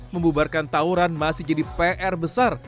membubarkan tawuran masih jadi pr besar